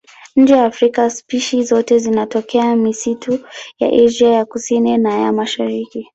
Nje ya Afrika spishi zote zinatokea misitu ya Asia ya Kusini na ya Mashariki.